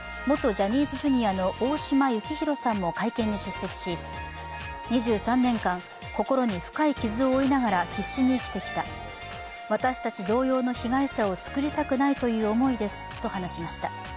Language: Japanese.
ジャニーズＪｒ．の大島幸広さんも会見に出席し、２３年間心に深い傷を負いながら必死に生きてきた私たち同様の被害者を作りたくないという思いですと話しました。